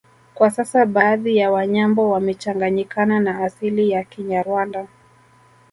Kwa sasa baadhi ya Wanyambo wamechanganyikana na asili ya Kinyarwanda